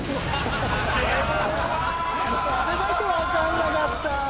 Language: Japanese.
あれだけ分かんなかった。